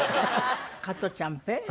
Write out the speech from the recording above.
加トちゃんペッ。